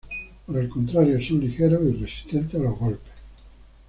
Por el contrario, son ligeros y resistentes a los golpes.